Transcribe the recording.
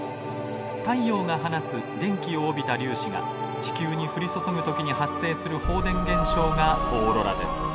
太陽が放つ電気を帯びた粒子が地球に降り注ぐ時に発生する放電現象がオーロラです。